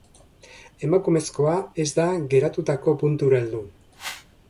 Emakumezkoa ez da geratutako puntura heldu.